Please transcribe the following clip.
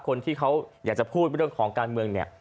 คนที่เขาอยากจะพูดเรื่องของการเมืองเนี่ย